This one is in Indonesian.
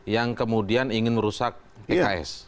yang kemudian ingin merusak pks